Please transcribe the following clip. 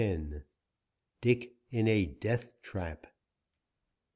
DICK IN A DEATH TRAP.